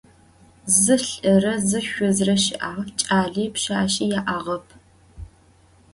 Zı lh'ıre zı şsuzre şı'ağ, ç'ali pşsaşsi ya'ağep.